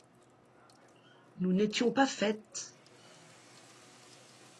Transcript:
Nous n’étions pas faites...